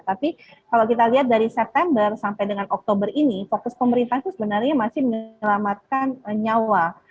tapi kalau kita lihat dari september sampai dengan oktober ini fokus pemerintah itu sebenarnya masih menyelamatkan nyawa